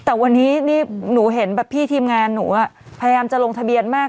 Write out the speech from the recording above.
แต่วันนี้นี่หนูเห็นแบบพี่ทีมงานหนูพยายามจะลงทะเบียนมาก